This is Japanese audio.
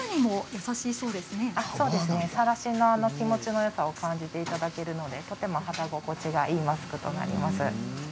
さらしの気持ちよさを感じていただけるので肌心地のいいマスクになります。